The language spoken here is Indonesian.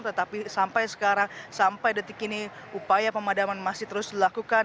tetapi sampai sekarang sampai detik ini upaya pemadaman masih terus dilakukan